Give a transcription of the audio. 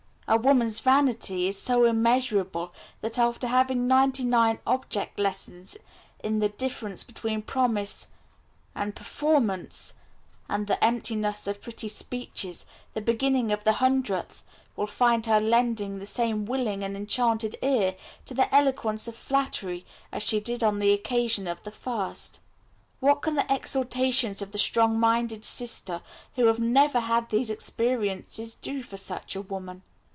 "A woman's vanity is so immeasurable that, after having had ninety nine object lessons in the difference between promise and performance and the emptiness of pretty speeches, the beginning of the hundredth will find her lending the same willing and enchanted ear to the eloquence of flattery as she did on the occasion of the first. What can the exhortations of the strong minded sister, who has never had these experiences, do for such a woman?